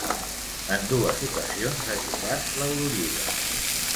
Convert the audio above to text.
En dues ocasions ha jugat l'Eurolliga.